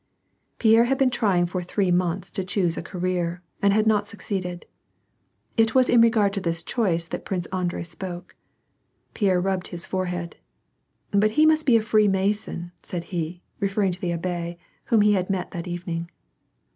Pierre had been trying for three months to choose a career, and had not succeeded. It was in regard to this choice that Prince Andrei spoke. Pierre rubbed his forehead. " But he must be a Freemason," said he, referring to the abbe whom he had met that evening.